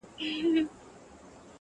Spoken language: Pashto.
نن به ښکلي ستا په نوم سي ګودرونه-